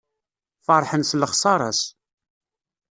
Ferḥen s lexsara-s.